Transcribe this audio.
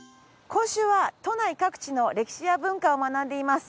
今週は都内各地の歴史や文化を学んでいます。